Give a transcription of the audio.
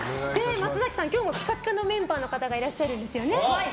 松崎さん、今日ピカピカのメンバーの方がいらっしゃるんですよね。